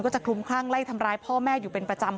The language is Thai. จะคลุมคลั่งไล่ทำร้ายพ่อแม่อยู่เป็นประจำ